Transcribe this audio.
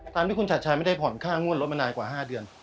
ตามที่คุณชัดชัยไม่ได้ผ่อนค่างวดรถมานานกว่า๕เดือน